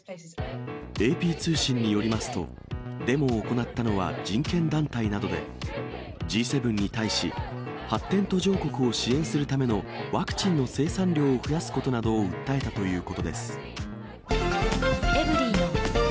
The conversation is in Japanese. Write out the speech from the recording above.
ＡＰ通信によりますと、デモを行ったのは人権団体などで、Ｇ７に対し、発展途上国を支援するためのワクチンの生産量を増やすことなどを訴えたということです。